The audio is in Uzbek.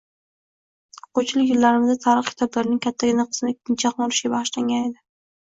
O`quvchilik yillarimizda tarix kitoblarining kattagina qismi Ikkinchi jahon urushiga bag`ishlangan edi